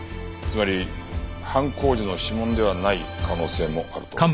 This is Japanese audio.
つまり犯行時の指紋ではない可能性もあると。